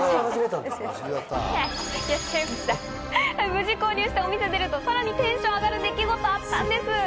無事購入して、お店を出ると、さらにテンションが上がる出来事があったんです。